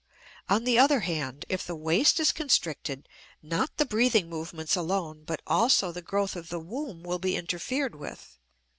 On the other hand, if the waist is constricted, not the breathing movements alone but also the growth of the womb will be interfered with.